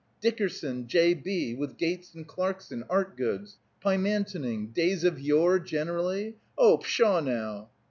Dickerson, J. B., with Gates & Clarkson, art goods? Pymantoning? Days of yore, generally? Oh, pshaw, now!"